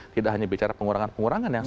tidak hanya bicara pengurangan pengurangan yang